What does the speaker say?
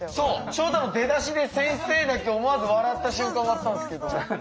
照太の出だしで先生だけ思わず笑った瞬間があったんですけど。